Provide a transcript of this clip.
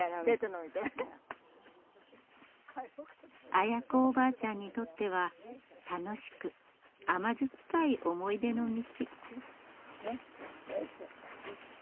アヤ子おばあちゃんにとっては楽しく甘酸っぱい思い出の道。